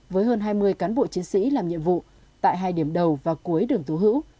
với hơn hai mươi cán bộ chiến sĩ làm nhiệm vụ tại hai điểm đầu và cuối đường tú hữu